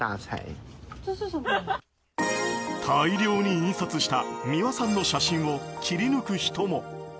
大量に印刷した美輪さんの写真を切り抜く人も。